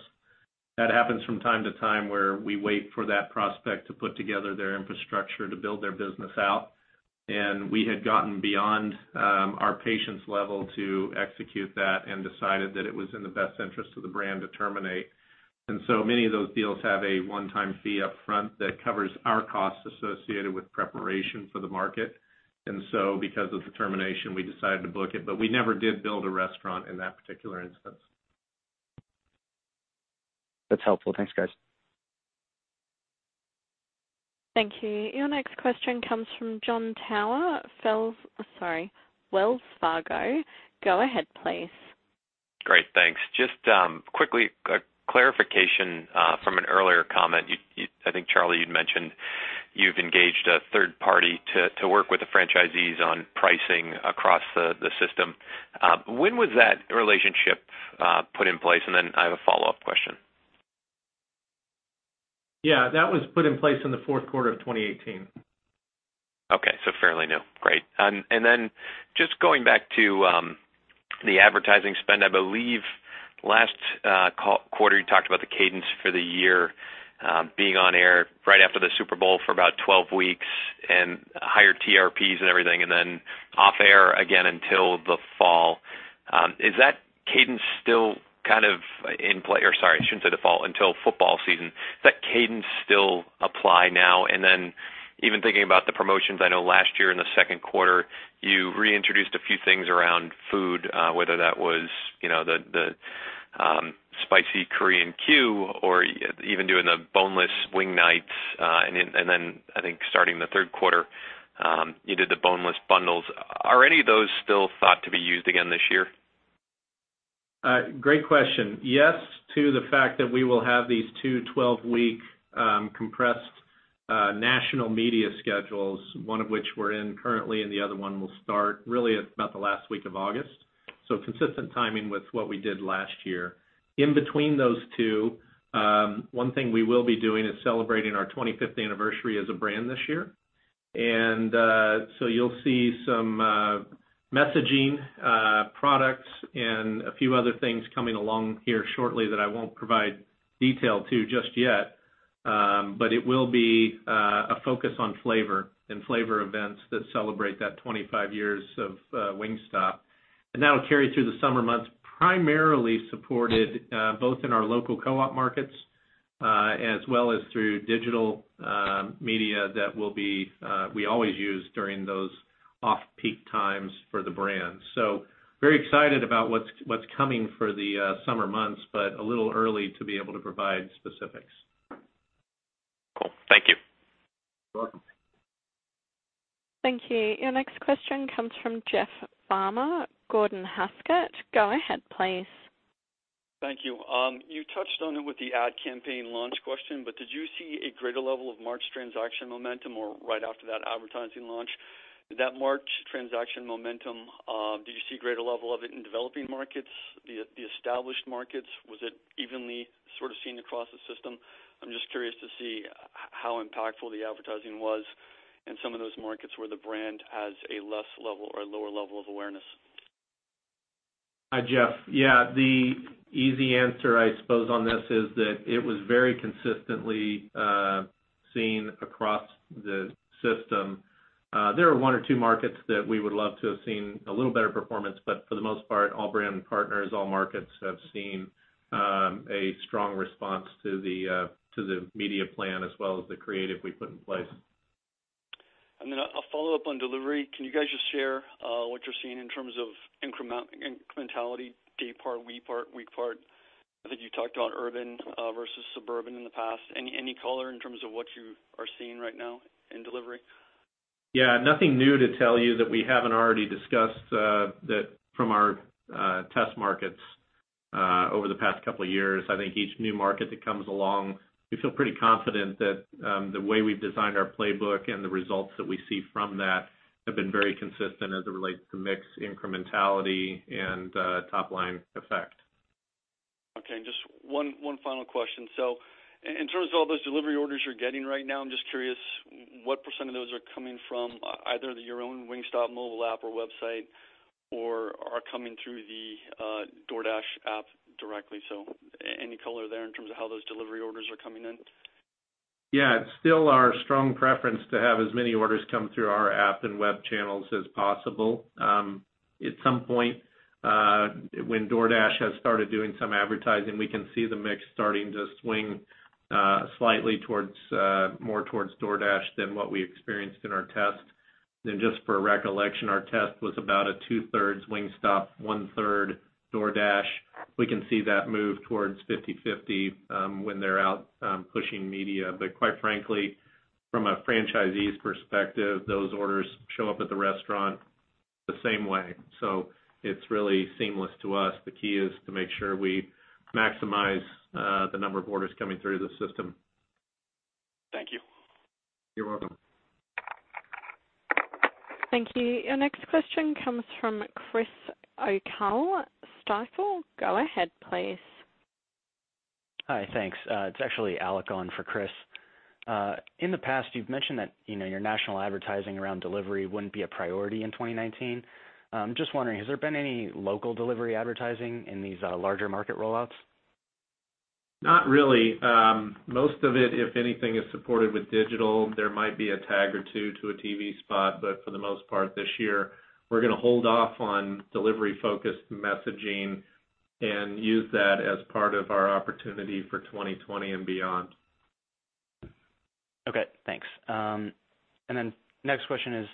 That happens from time to time, where we wait for that prospect to put together their infrastructure to build their business out. We had gotten beyond our patience level to execute that and decided that it was in the best interest of the brand to terminate. Many of those deals have a one-time fee up front that covers our costs associated with preparation for the market. Because of the termination, we decided to book it, but we never did build a restaurant in that particular instance. That's helpful. Thanks, guys. Thank you. Your next question comes from Jon Tower, Wells Fargo. Go ahead, please. Great. Thanks. Just quickly, a clarification from an earlier comment. I think, Charlie, you'd mentioned you've engaged a third party to work with the franchisees on pricing across the system. When was that relationship put in place? I have a follow-up question. Yeah, that was put in place in the fourth quarter of 2018. Okay. Fairly new. Great. Just going back to the advertising spend, I believe last quarter, you talked about the cadence for the year being on air right after the Super Bowl for about 12 weeks and higher TRPs and everything, off air again until the fall. Is that cadence still kind of in play, or sorry, I shouldn't say the fall, until football season? Does that cadence still apply now? Even thinking about the promotions, I know last year in the second quarter, you reintroduced a few things around food, whether that was the Spicy Korean Q or even doing the boneless wing nights. I think starting the third quarter, you did the boneless bundles. Are any of those still thought to be used again this year? Great question. Yes to the fact that we will have these two 12-week compressed national media schedules, one of which we're in currently, the other one will start really at about the last week of August. Consistent timing with what we did last year. In between those two, one thing we will be doing is celebrating our 25th anniversary as a brand this year. You'll see some messaging products and a few other things coming along here shortly that I won't provide detail to just yet. It will be a focus on flavor and flavor events that celebrate that 25 years of Wingstop, that'll carry through the summer months, primarily supported both in our local co-op markets, as well as through digital media that we always use during those off-peak times for the brand. Very excited about what's coming for the summer months, but a little early to be able to provide specifics. Cool. Thank you. You're welcome. Thank you. Your next question comes from Jeff Farmer, Gordon Haskett. Go ahead, please. Thank you. You touched on it with the ad campaign launch question. Did you see a greater level of March transaction momentum or right after that advertising launch? Did you see a greater level of it in developing markets, the established markets? Was it evenly sort of seen across the system? I'm just curious to see how impactful the advertising was in some of those markets where the brand has a less level or lower level of awareness. Hi, Jeff. The easy answer, I suppose, on this is that it was very consistently seen across the system. There are one or two markets that we would love to have seen a little better performance. For the most part, all brand partners, all markets have seen a strong response to the media plan as well as the creative we put in place. A follow-up on delivery. Can you guys just share what you're seeing in terms of incrementality, day part, week part? I think you talked about urban versus suburban in the past. Any color in terms of what you are seeing right now in delivery? Nothing new to tell you that we haven't already discussed from our test markets over the past couple of years. I think each new market that comes along, we feel pretty confident that the way we've designed our playbook and the results that we see from that have been very consistent as it relates to mix incrementality and top-line effect. Okay, just one final question. In terms of all those delivery orders you're getting right now, I'm just curious what % of those are coming from either your own Wingstop mobile app or website or are coming through the DoorDash app directly? Any color there in terms of how those delivery orders are coming in? Yeah. It's still our strong preference to have as many orders come through our app and web channels as possible. At some point, when DoorDash has started doing some advertising, we can see the mix starting to swing slightly more towards DoorDash than what we experienced in our test. Just for recollection, our test was about a two-thirds Wingstop, one-third DoorDash. We can see that move towards 50/50 when they're out pushing media. Quite frankly, from a franchisee's perspective, those orders show up at the restaurant the same way. It's really seamless to us. The key is to make sure we maximize the number of orders coming through the system. You're welcome. Thank you. Your next question comes from Chris O'Cull, Stifel. Go ahead, please. Hi, thanks. It's actually Alec on for Chris. In the past, you've mentioned that your national advertising around delivery wouldn't be a priority in 2019. I'm just wondering, has there been any local delivery advertising in these larger market rollouts? Not really. Most of it, if anything, is supported with digital. There might be a tag or two to a TV spot, but for the most part this year, we're going to hold off on delivery-focused messaging and use that as part of our opportunity for 2020 and beyond. Okay, thanks. Next question is,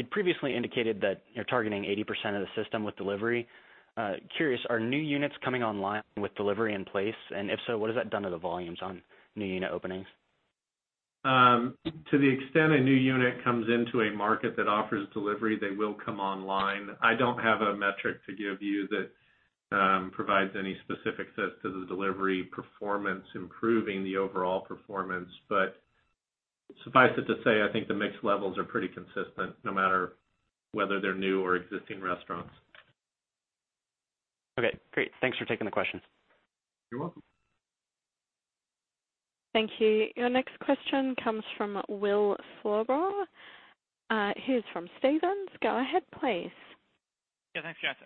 you'd previously indicated that you're targeting 80% of the system with delivery. Curious, are new units coming online with delivery in place? If so, what has that done to the volumes on new unit openings? To the extent a new unit comes into a market that offers delivery, they will come online. I don't have a metric to give you that provides any specific sets to the delivery performance, improving the overall performance. Suffice it to say, I think the mix levels are pretty consistent no matter whether they're new or existing restaurants. Okay, great. Thanks for taking the question. You're welcome. Thank you. Your next question comes from Will Slabaugh. He is from Stephens. Go ahead, please. Yeah. Thanks, guys.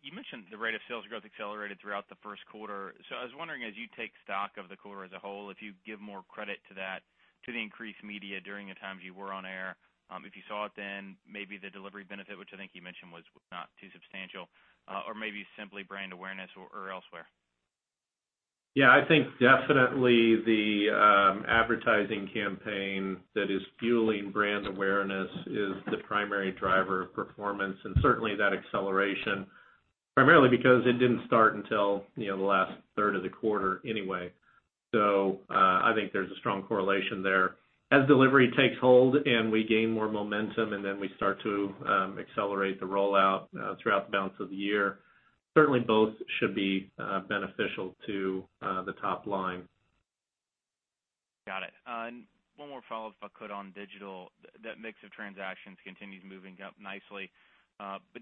You mentioned the rate of sales growth accelerated throughout the first quarter. I was wondering, as you take stock of the quarter as a whole, if you give more credit to that, to the increased media during the times you were on air, if you saw it then, maybe the delivery benefit, which I think you mentioned was not too substantial, or maybe simply brand awareness or elsewhere. Yeah. I think definitely the advertising campaign that is fueling brand awareness is the primary driver of performance, and certainly that acceleration, primarily because it didn't start until the last third of the quarter anyway. I think there's a strong correlation there. As delivery takes hold and we gain more momentum, and then we start to accelerate the rollout throughout the balance of the year, certainly both should be beneficial to the top line. One more follow-up, if I could, on digital. That mix of transactions continues moving up nicely.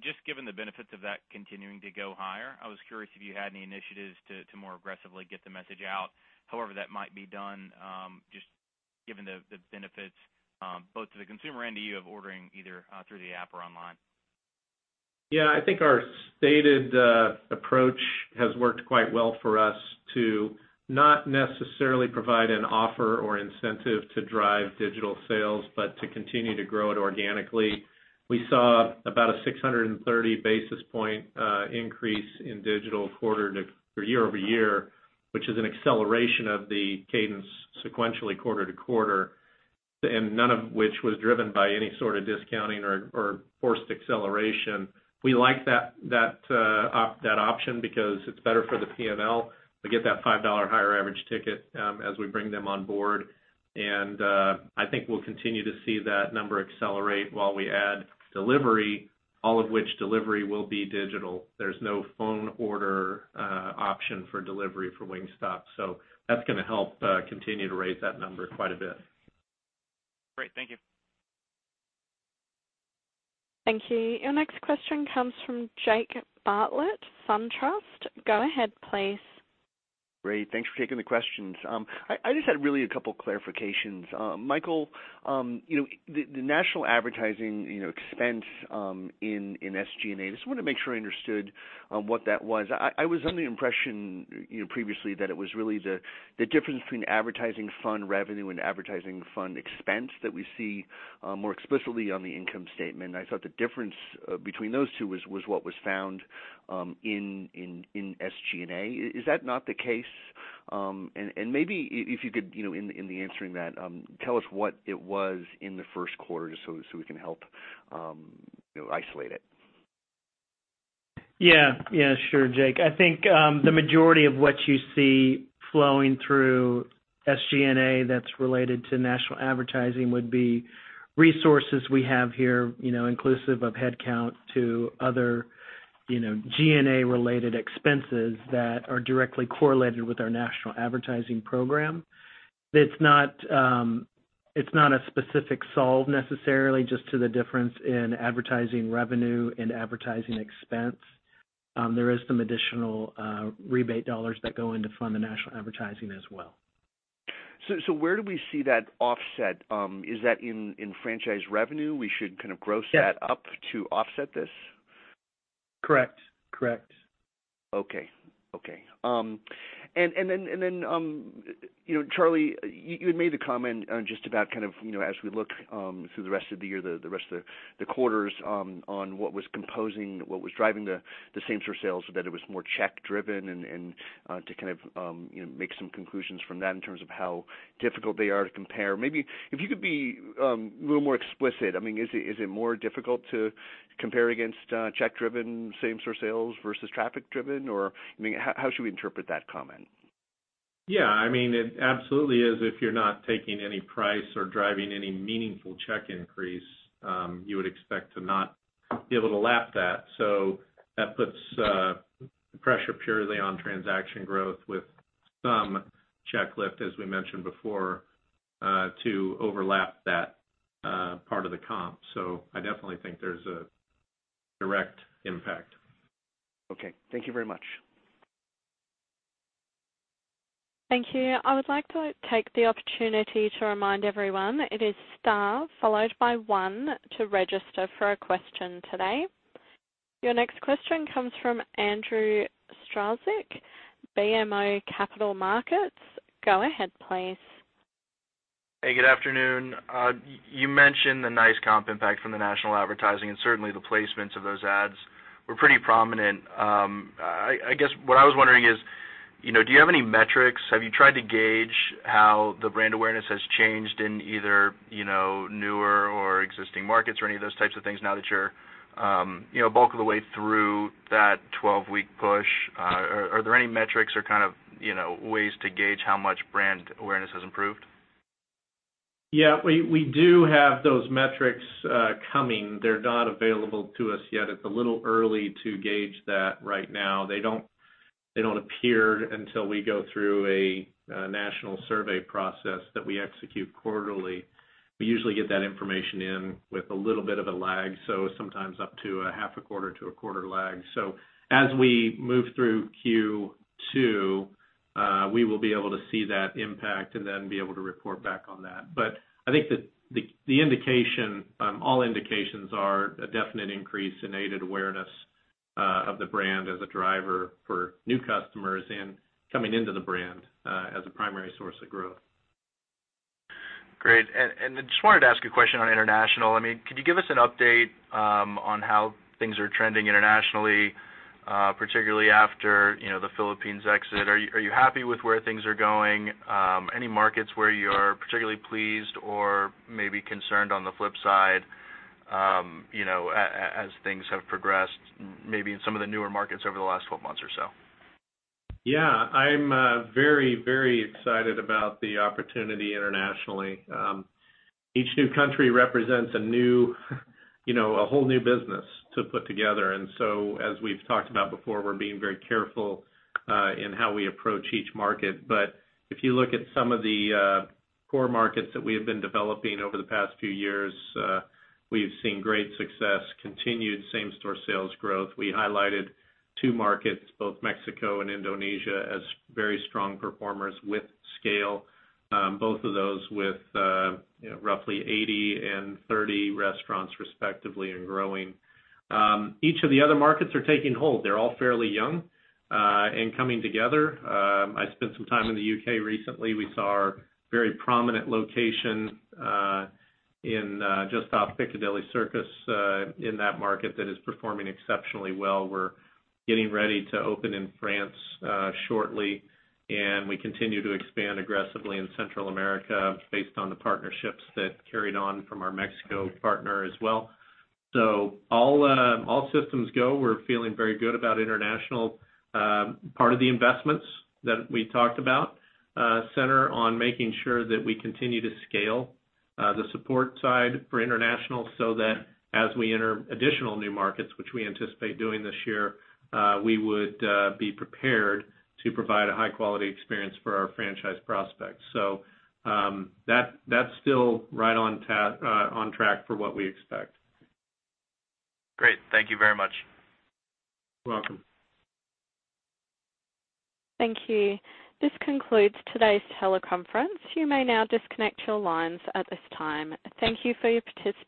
Just given the benefits of that continuing to go higher, I was curious if you had any initiatives to more aggressively get the message out, however that might be done, just given the benefits both to the consumer and to you of ordering either through the app or online. Yeah. I think our stated approach has worked quite well for us to not necessarily provide an offer or incentive to drive digital sales, but to continue to grow it organically. We saw about a 630 basis point increase in digital year-over-year, which is an acceleration of the cadence sequentially quarter to quarter. None of which was driven by any sort of discounting or forced acceleration. We like that option because it's better for the P&L to get that $5 higher average ticket as we bring them on board. I think we'll continue to see that number accelerate while we add delivery, all of which delivery will be digital. There's no phone order option for delivery for Wingstop, so that's going to help continue to raise that number quite a bit. Great. Thank you. Thank you. Your next question comes from Jake Bartlett, SunTrust. Go ahead, please. Great. Thanks for taking the questions. I just had really a couple clarifications. Michael, the national advertising expense in SG&A, I just wanted to make sure I understood what that was. I was under the impression previously that it was really the difference between advertising fund revenue and advertising fund expense that we see more explicitly on the income statement, and I thought the difference between those two was what was found in SG&A. Is that not the case? Maybe if you could, in the answering that, tell us what it was in the first quarter, just so we can help isolate it. Yeah. Sure, Jake. I think the majority of what you see flowing through SG&A that's related to national advertising would be resources we have here inclusive of headcount to other G&A related expenses that are directly correlated with our national advertising program. It's not a specific solve necessarily just to the difference in advertising revenue and advertising expense. There is some additional rebate dollars that go in to fund the national advertising as well. Where do we see that offset? Is that in franchise revenue, we should kind of gross that up to offset this? Correct. Okay. Charlie, you had made the comment just about kind of as we look through the rest of the year, the rest of the quarters, on what was composing, what was driving the same store sales, that it was more check driven and to kind of make some conclusions from that in terms of how difficult they are to compare. Maybe if you could be a little more explicit, I mean, is it more difficult to compare against check-driven same store sales versus traffic driven, or, I mean, how should we interpret that comment? Yeah. I mean, it absolutely is if you're not taking any price or driving any meaningful check increase, you would expect to not be able to lap that. That puts pressure purely on transaction growth with some check lift, as we mentioned before, to overlap that part of the comp. I definitely think there's a direct impact. Okay. Thank you very much. Thank you. I would like to take the opportunity to remind everyone, it is star followed by one to register for a question today. Your next question comes from Andrew Strelzik, BMO Capital Markets. Go ahead, please. Hey, good afternoon. You mentioned the nice comp impact from the national advertising and certainly the placements of those ads were pretty prominent. I guess what I was wondering is, do you have any metrics? Have you tried to gauge how the brand awareness has changed in either newer or existing markets or any of those types of things now that you're bulk of the way through that 12-week push? Are there any metrics or ways to gauge how much brand awareness has improved? We do have those metrics coming. They're not available to us yet. It's a little early to gauge that right now. They don't appear until we go through a national survey process that we execute quarterly. We usually get that information in with a little bit of a lag, sometimes up to a half a quarter to a quarter lag. As we move through Q2, we will be able to see that impact and then be able to report back on that. I think all indications are a definite increase in aided awareness of the brand as a driver for new customers and coming into the brand, as a primary source of growth. Great. I just wanted to ask a question on international. Could you give us an update on how things are trending internationally, particularly after the Philippines exit? Are you happy with where things are going? Any markets where you're particularly pleased or maybe concerned on the flip side, as things have progressed, maybe in some of the newer markets over the last 12 months or so? I'm very excited about the opportunity internationally. Each new country represents a whole new business to put together. As we've talked about before, we're being very careful in how we approach each market. If you look at some of the core markets that we have been developing over the past few years, we've seen great success, continued same-store sales growth. We highlighted two markets, both Mexico and Indonesia, as very strong performers with scale, both of those with roughly 80 and 30 restaurants, respectively, and growing. Each of the other markets are taking hold. They're all fairly young and coming together. I spent some time in the U.K. recently. We saw our very prominent location just off Piccadilly Circus in that market that is performing exceptionally well. We're getting ready to open in France shortly. We continue to expand aggressively in Central America based on the partnerships that carried on from our Mexico partner as well. All systems go. We're feeling very good about international. Part of the investments that we talked about center on making sure that we continue to scale the support side for international so that as we enter additional new markets, which we anticipate doing this year, we would be prepared to provide a high-quality experience for our franchise prospects. That's still right on track for what we expect. Great. Thank you very much. You're welcome. Thank you. This concludes today's teleconference. You may now disconnect your lines at this time. Thank you for your participation.